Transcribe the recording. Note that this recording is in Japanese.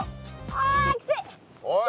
あきつい。